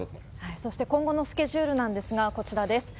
そして、今後のスケジュールなんですが、こちらです。